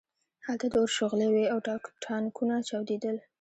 هلته د اور شغلې وې او ټانکونه چاودېدل